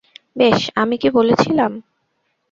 বেশ আমি কী বলেছিলাম?